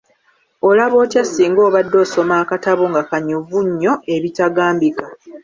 Olaba otya singa obadde osoma akatabo nga kanyuvu nnyo ebitagambika.